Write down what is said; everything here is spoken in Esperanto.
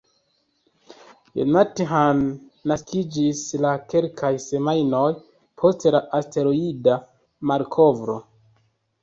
Jonathan naskiĝis la kelkaj semajnoj post la asteroida malkovro.